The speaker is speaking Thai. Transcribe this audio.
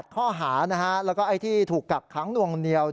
๘ข้อหาแล้วก็ไอ้ที่ถูกกักขังหนวงเหนียว